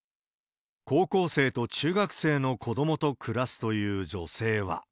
高校生と中学生の子どもと暮らすという女性は。